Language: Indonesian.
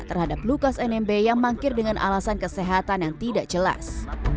terhadap lukas nmb yang mangkir dengan alasan kesehatan yang tidak jelas